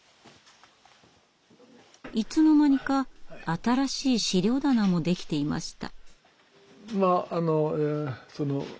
いつの間にか新しい資料棚もできていました。